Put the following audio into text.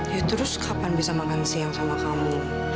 ya terus kapan bisa makan siang sama kamu